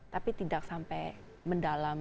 tapi tidak sampai mendalam